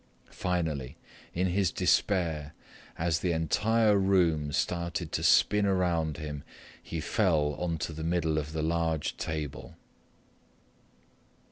Finally, in his despair, as the entire room started to spin around him, he fell onto the middle of the large table.